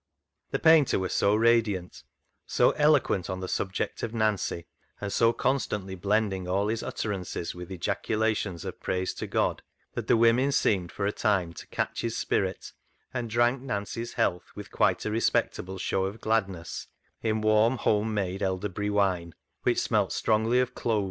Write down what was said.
The painter was so radiant, so eloquent on the subject of Nancy, and so constantly blend ing all his utterances with ejaculations of praise to God, that the women seemed for a time to catch his spirit, and drank Nancy's health with quite a respectable show of gladness in warm, home made elderberry wine, which smelt strongly of cloves.